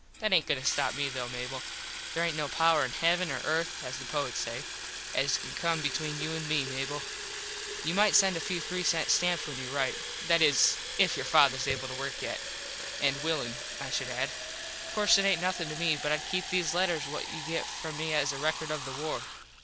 That aint goin to stop me though, Mable. There aint no power in heavin or earth, as the poets say, as can come between you and me, Mable. You mite send a few three sent stamps when you rite. That is if your fathers able to work yet. And willin, I should add. Of course it aint nothin to me but Id keep these letters what you get from me as a record of the war.